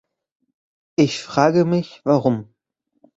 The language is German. Ich frage mich, warum.